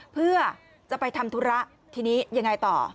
เพื่อจะไปทำธุระทีนี้ยังไงต่อ